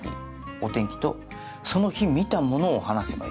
お天気とその日見たものを話せばいい。